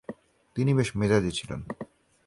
তিনি বেশ মেজাজী ছিলেন।